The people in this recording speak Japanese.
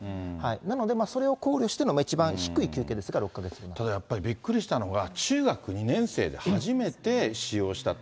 なので、それを考慮しての一番低ただびっくりしたのが、中学２年生で初めて使用したと。